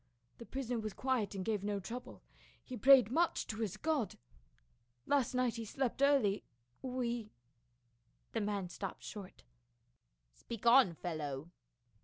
The prisoner was quiet and gave no trou ble ; he prayed much to his God. Last night he slept early ; we —" The man stopped short. "Speak on, fellow."